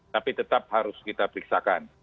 tapi tetap harus kita periksakan